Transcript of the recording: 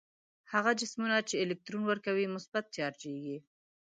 هغه جسمونه چې الکترون ورکوي مثبت چارجیږي.